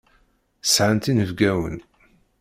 Sɛant inebgawen.